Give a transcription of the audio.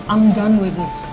aku udah selesai deh